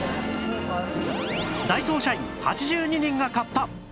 ダイソー社員８２人が買った